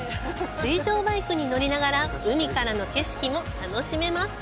水上バイクに乗りながら海からの景色も楽しめます。